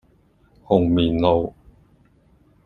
紅棉路